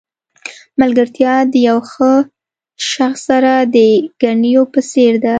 ملګرتیا د یو ښه شخص سره د ګنیو په څېر ده.